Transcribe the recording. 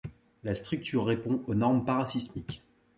La structure répond aux normes parasismiques.